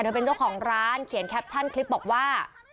เจ้าของร้านเขียนแคปชั่นคลิปบอกว่า